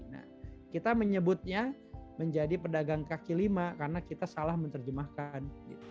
nah kita menyebutnya menjadi pedagang kaki lima karena kita salah menerjemahkan